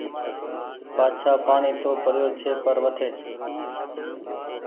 بآڇآ پآڻيٚ تو پڙيو ڇي پر وٺي